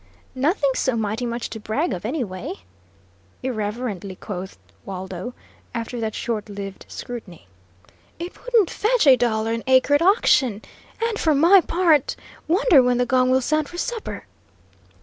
"Nothing so mighty much to brag of, anyway," irreverently quoth Waldo, after that short lived scrutiny. "It wouldn't fetch a dollar an acre at auction, and for my part, wonder when the gong will sound for supper?"